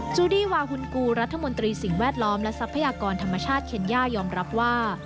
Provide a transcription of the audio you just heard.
ูดี้วาฮุนกูรัฐมนตรีสิ่งแวดล้อมและทรัพยากรธรรมชาติเคนย่ายอมรับว่า